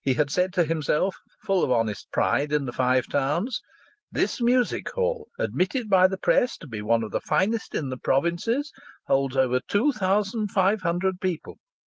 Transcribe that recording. He had said to himself, full of honest pride in the Five Towns: "This music hall, admitted by the press to be one of the finest in the provinces, holds over two thousand five hundred people.